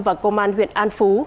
và công an huyện an phú